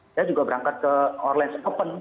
saya juga berangkat ke orles open